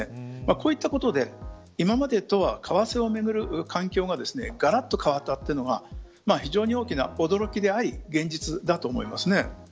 こういったことで、今までとは為替をめぐる環境ががらっと変わったというのが非常に大きな驚きであり現実だと思います。